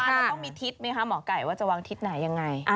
เราต้องมีทิศไหมคะหมอไก่ว่าจะวางทิศไหนยังไง